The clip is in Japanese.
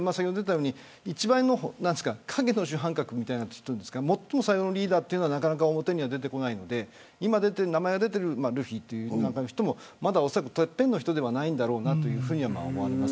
一番の影の主犯格みたいな最も上のリーダーはなかなか出てこないので今、名前が出ているルフィという人もおそらく、てっぺんの人ではないと思われます。